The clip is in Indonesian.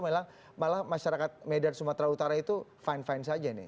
memang malah masyarakat medan sumatera utara itu fine fine saja nih